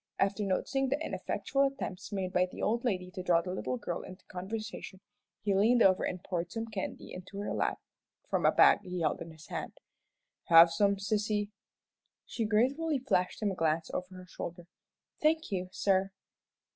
After noticing the ineffectual attempts made by the old lady to draw the little girl into conversation, he leaned over and poured some candy into her lap from a bag he held in his hand. "Have some, sissy?" She gratefully flashed him a glance over her shoulder. "Thank you, sir."